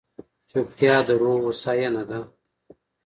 چپتیا، د روح هوساینه ده.